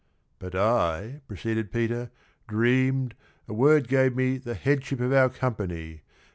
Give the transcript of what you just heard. ' 'But I,' proceeded Peter, 'dreamed, a word Gave me the headship of our company.